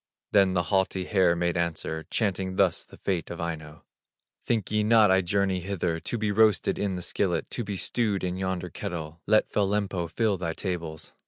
Then the haughty hare made answer, Chanting thus the fate of Aino: "Think ye not I journey hither, To be roasted in the skillet, To be stewed in yonder kettle; Let fell Lempo fill thy tables!